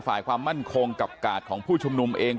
ฝ่ายความมั่นคงกับกาดของผู้ชุมนุมเอง